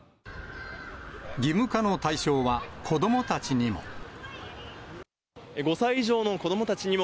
義務化の対象は子どもたちにも。